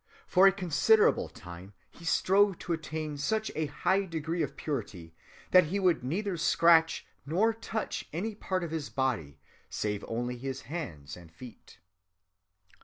For a considerable time he strove to attain such a high degree of purity that he would neither scratch nor touch any part of his body, save only his hands and feet."